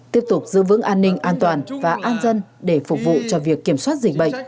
tiếp tục giữ vững an ninh an toàn và an dân để phục vụ cho việc kiểm soát dịch bệnh